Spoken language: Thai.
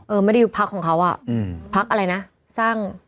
ไม่ได้ยุบพักของเขาอ่ะอืมพักอะไรนะสร้าง